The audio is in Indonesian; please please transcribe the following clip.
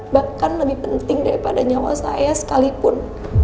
bahkan lebih penting daripada nyawa saya sekalipun